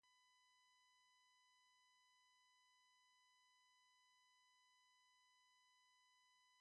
Its name is derived from natural springs said to have medicinal qualities.